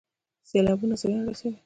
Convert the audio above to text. سیلابونه زیان رسوي